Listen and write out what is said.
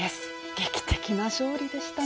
劇的な勝利でしたね。